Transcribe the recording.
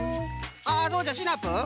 ああそうじゃシナプー。